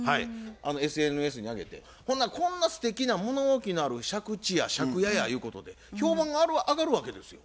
ＳＮＳに上げてこんなすてきな物置のある借地や借家やゆうことで評判が上がるわけですよ。